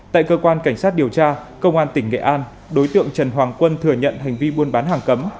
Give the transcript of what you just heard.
tại cơ quan cảnh sát điều tra công an tỉnh nghệ an đối tượng trần hoàng quân thừa nhận hành vi buôn bán hàng cấm